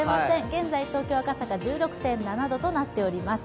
現在東京・赤坂、１６．７度となっています。